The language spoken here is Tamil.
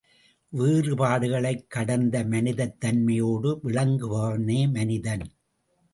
வேறுபாடுகளைக் கடந்த மனிதத் தன்மையோடு விளங்குபவனே மனிதன்.